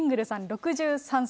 ６３歳。